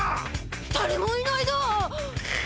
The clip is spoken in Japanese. だれもいないだ！